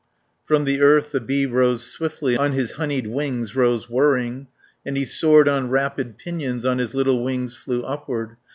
From the earth the bee rose swiftly, On his honeyed wings rose whirring, And he soared on rapid pinions, On his little wings flew upward.